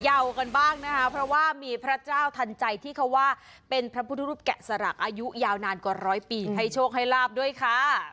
ยาวกันบ้างนะคะเพราะว่ามีพระเจ้าทันใจที่เขาว่าเป็นพระพุทธรูปแกะสลักอายุยาวนานกว่าร้อยปีให้โชคให้ลาบด้วยค่ะ